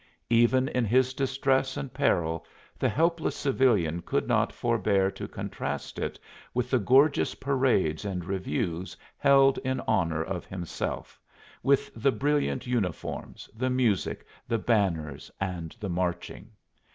Even in his distress and peril the helpless civilian could not forbear to contrast it with the gorgeous parades and reviews held in honor of himself with the brilliant uniforms, the music, the banners, and the marching.